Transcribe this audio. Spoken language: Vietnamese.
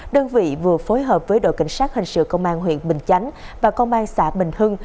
đơn vị vừa phối hợp với đội cảnh sát hình sự công an huyện bình chánh và công an xã bình hưng